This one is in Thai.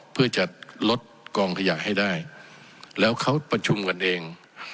เพื่อจะลดกองขยะให้ได้แล้วเขาประชุมกันเอง